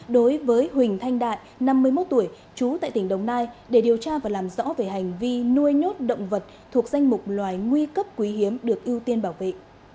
đối với huỳnh thanh đại năm mươi một tuổi trú tại tỉnh đồng nai để điều tra và làm rõ về hành vi nuôi nhốt động vật thuộc danh mục loài nguy cấp quý hiếm được ưu tiên bảo vệ